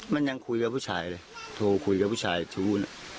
มันยังคุยกับผู้ชายเลยโทรคุยกับผู้ชายทุก